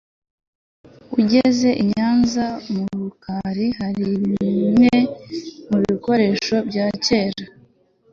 ugeze inyanza murukari haribimwe mubikoresho byakera